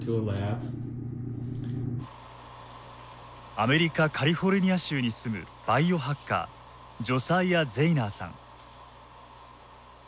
アメリカ・カリフォルニア州に住むバイオハッカージョサイア・ゼイナーさん。